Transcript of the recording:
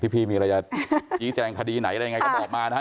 พี่มีอะไรจะชี้แจงคดีไหนอะไรยังไงก็บอกมานะครับ